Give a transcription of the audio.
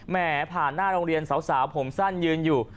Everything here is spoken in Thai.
แหมผ่านหน้าโรงเรียนสาวผมสั้นยืนอยู่